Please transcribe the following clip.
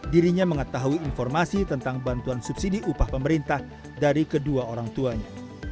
dirinya mengetahui informasi tentang bantuan subsidi upah pemerintah dari kedua orang tuanya